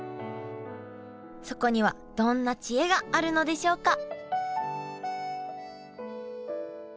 そこにはどんな知恵があるのでしょうか？